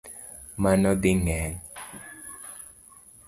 Mano dhi geng'